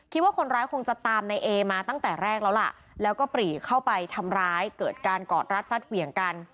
คิดว่าคนร้ายคงจะตามในเอมาตั้งแต่แรกแล้วล่ะแล้วก็ปรีเข้าไปทำร้ายเกิดการกอดรัดฟัดเหวี่ยงกัน